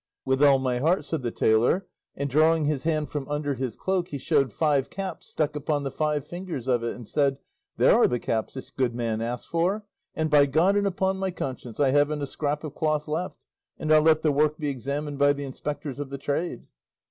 "With all my heart," said the tailor; and drawing his hand from under his cloak he showed five caps stuck upon the five fingers of it, and said, "there are the caps this good man asks for; and by God and upon my conscience I haven't a scrap of cloth left, and I'll let the work be examined by the inspectors of the trade."